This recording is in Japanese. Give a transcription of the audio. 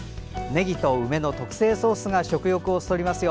ねぎと梅の特製ソースが食欲をそそりますよ。